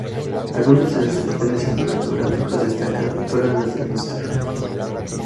Algunos de sus papeles cinematográficos destacados fueron el de Mr.